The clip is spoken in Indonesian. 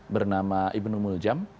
bernama ibn muljam